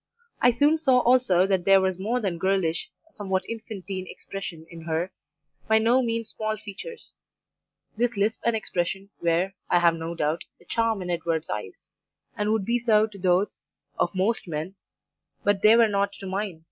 I soon saw also that there was more than girlish a somewhat infantine expression in her by no means small features; this lisp and expression were, I have no doubt, a charm in Edward's eyes, and would be so to those of most men, but they were not to mine.